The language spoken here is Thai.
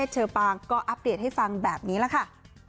เชอปางก็อัปเดตให้ฟังแบบนี้แหละค่ะ